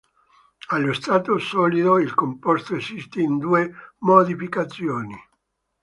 Allo stato solido il composto esiste in due modificazioni.